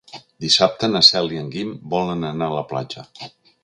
Dissabte na Cel i en Guim volen anar a la platja.